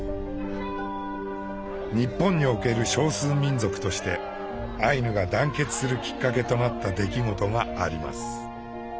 日本における少数民族としてアイヌが団結するきっかけとなった出来事があります。